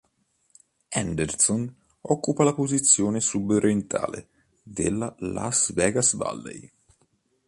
Henderson occupa la porzione sudorientale della "Las Vegas Valley.